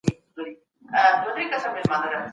نیغ په نیغه قومانده د انسان په لاس کي ده.